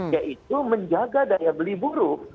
yaitu menjaga daya beli buruh